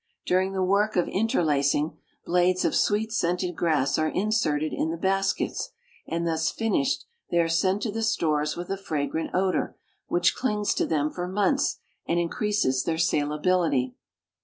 During the work of interlacing, blades of sweet scented grass are inserted in the baskets, and thus " finished " tliey are sent to the stores with a fragrant odor, whicli clings to them for months and increases their salability.